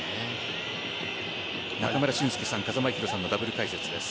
中村俊輔さん風間八宏さんのダブル解説です。